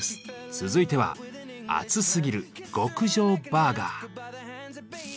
続いては「アツすぎる！極上バーガー」。